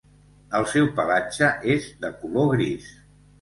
El seu pelatge és de color gris.